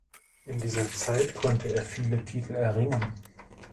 In dieser Zeit konnte er viele Titel erringen.